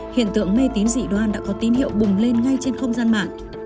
hiện tượng mê tín dị đoan đã có tín hiệu bùng lên ngay trên không gian mạng